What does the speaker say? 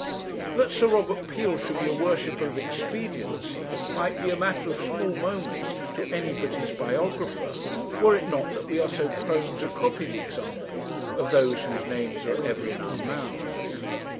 That Sir Robert Peel should be a worshipper of expediency might be matter of small moment to any but his biographer, were it not that we are so prone to copy the example of those whose names are ever in our mouths.